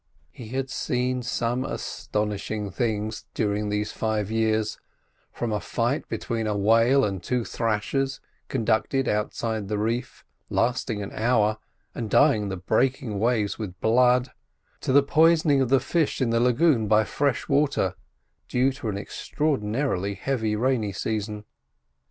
He had seen some astonishing things during these five years—from a fight between a whale and two thrashers conducted outside the reef, lasting an hour, and dyeing the breaking waves with blood, to the poisoning of the fish in the lagoon by fresh water, due to an extraordinarily heavy rainy season.